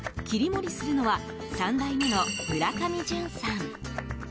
切り盛りするのは３代目の村上淳さん。